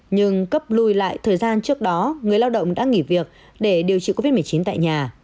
nhưng cấp lùi lại thời gian trước đó người lao động đã nghỉ việc để điều trị covid một mươi chín tại nhà